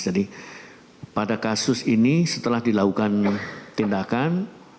jadi pada kasus ini setelah dilakukan tindakan